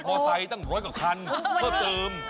อไซค์ตั้งร้อยกว่าคันเพิ่มเติม